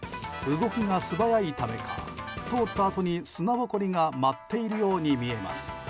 動きが素早いためか通ったあとに砂ぼこりが舞っているように見えます。